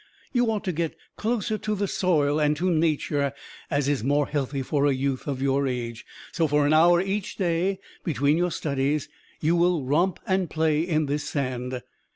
You ought to get closer to the soil and to nature, as is more healthy for a youth of your age. So for an hour each day, between your studies, you will romp and play in this sand.